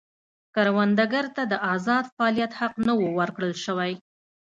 کروندګرو ته د ازاد فعالیت حق نه و ورکړل شوی.